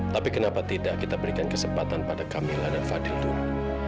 tapi kenapa tidak kita berikan kesempatan pada kamil dan fadil dulu